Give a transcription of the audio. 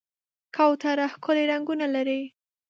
کوتره ښکلي رنګونه لري.